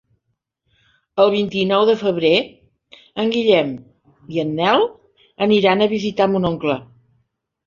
El vint-i-nou de febrer en Guillem i en Nel aniran a visitar mon oncle.